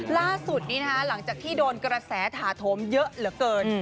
ล่าสุดนี้นะคะหลังจากที่โดนกระแสถาโถมเยอะเหลือเกิน